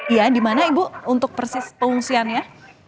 ya di mana ibu untuk persis pengungsiannya